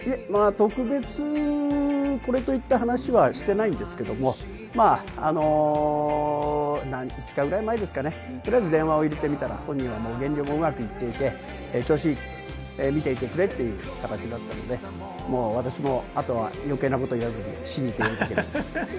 特別にこれといった話はしていないんですけれども、５日ぐらい前ですかね、電話を入れていたら、減量もうまくいっていて、調子いいと、見ておいてくれという形だったので、私もあとは余計なことを言わず、信じているだけです。